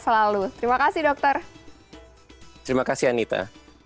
selalu terima kasih dokter terima kasih anita